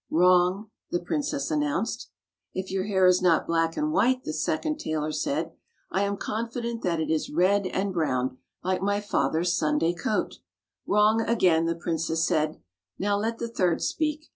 "Wrong," the princess announced. "If your hair is not black and white," the second tailor said, " I am confident that it is red and brown like my father's Sunday coat." "Wrong again," the princess said. "Now let the third speak.